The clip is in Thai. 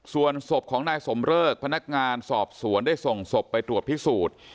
ส่วนศพของนายสมเริกพนักงานสอบสวนได้ส่งศพไปตรวจพิสูจน์